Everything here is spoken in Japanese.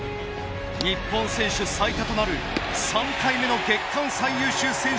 日本選手最多となる３回目の月間最優秀選手に選ばれました。